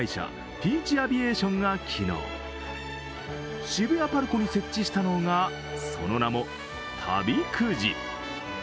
ピーチ・アビエーションが昨日渋谷ＰＡＲＣＯに設置したのがその名も旅くじ。